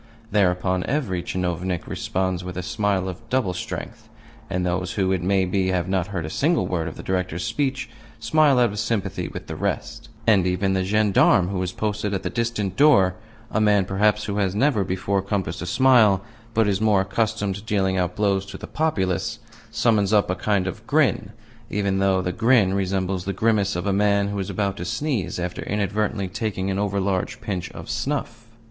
Thereupon every tchinovnik responds with a smile of double strength, and those who (it may be) have not heard a single word of the Director's speech smile out of sympathy with the rest, and even the gendarme who is posted at the distant door a man, perhaps, who has never before compassed a smile, but is more accustomed to dealing out blows to the populace summons up a kind of grin, even though the grin resembles the grimace of a man who is about to sneeze after inadvertently taking an over large pinch of snuff.